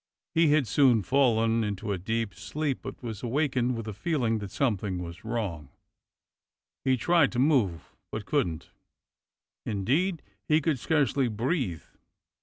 He had soon fallen into a deep sleep, but was awak ened with a feeling that something was wrong. He tried to move but couldn't; indeed, he could scarcely breathe.